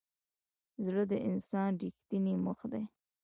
زړه د انسان ریښتینی مخ دی.